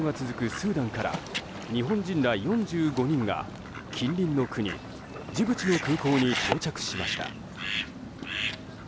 スーダンから日本人ら４５人が近隣の国ジブチの空港に到着しました。